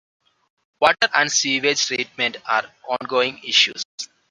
Water and sewage treatment are on-going issues.